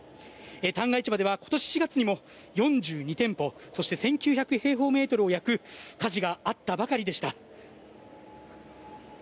旦過市場では今年４月にも４２店舗そして１９００平方メートルを焼く火事があったばかりでした。